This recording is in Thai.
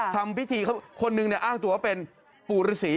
ทำพิธีเขาคนหนึ่งเนี่ยอ้างตัวเป็นปู่ฤษี